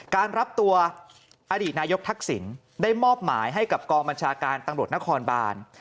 การรับตัวอดีตนายกทักษิณได้มอบหมายให้กับกองบัญชาการตำรวจนครบาน